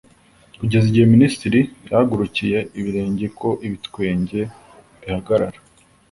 kugeza igihe minisitiri yahagurukiye ibirenge ko ibitwenge bihagarara